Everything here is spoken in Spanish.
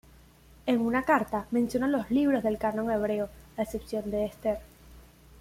En una carta, menciona los libros del canon hebreo a excepción de Ester.